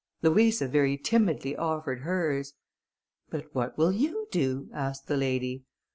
Louisa very timidly offered hers. "But what will you do?" asked the lady.